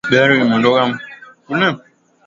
Gari limetokomea kule